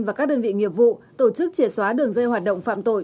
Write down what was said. và các đơn vị nghiệp vụ tổ chức trẻ xóa đường dây hoạt động phạm tội